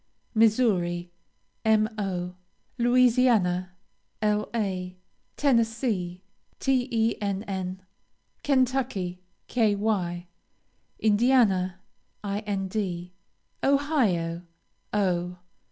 Missouri, Mo. Louisiana, La. Tennessee, Tenn. Kentucky, Ky. Indiana, Ind. Ohio, O.